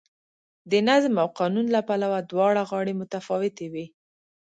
د نظم او قانون له پلوه دواړه غاړې متفاوتې وې.